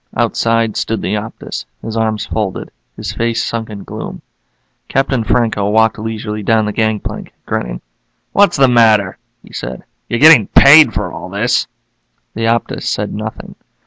Outside stood the Optus, his arms folded, his face sunk in gloom. Captain Franco walked leisurely down the gangplank, grinning. "What's the matter?" he said. "You're getting paid for all this." The Optus said nothing.